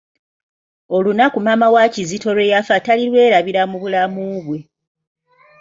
Olunaku maama wa Kizito lwe yafa tali lwelabira mu bulamu bwe.